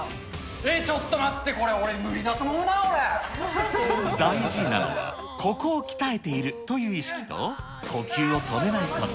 えっ、ちょっと待ってこれ、大事なのは、ここを鍛えているという意識と、呼吸を止めないこと。